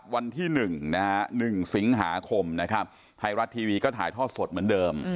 วันที่๑สิงหาคมไทยรัตทีวีก็ถ่ายท่อสดเหมือนเดิม